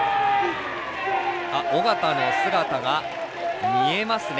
緒方の姿が見えますね。